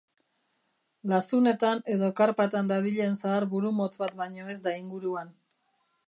Lazunetan edo karpatan dabilen zahar burumotz bat baino ez da inguruan.